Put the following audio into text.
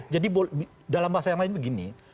jadi dalam bahasa yang lain begini